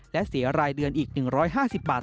และเสียรายเดือนอีก๑๕๐บาท